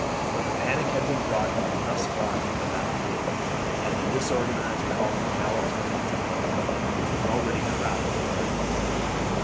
But the panic had been brought even thus far from the battle field, and the disorganized column galloped into Beaumont, which was already crowded with our infantry.